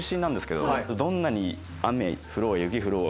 どんなに。